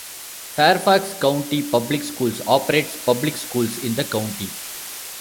Fairfax County Public Schools operates public schools in the county.